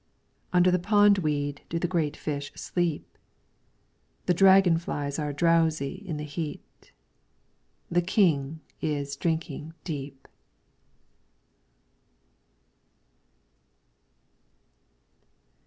Under the pondweed do the great fish sleep ; The dragon flies are drowsy in the heat. The King is drinking deep.